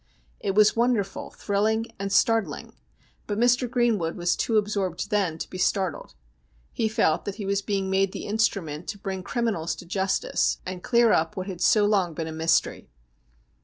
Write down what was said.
It was wonderful, thrilling, and startling ; but Mr. Greenwood was too absorbed then to be startled. He felt that he was being made the instrument to bring criminals to justice, and clear up what had so long been a mystery.